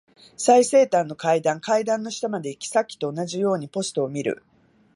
最西端の階段。階段の下まで行き、さっきと同じようにポストを見る。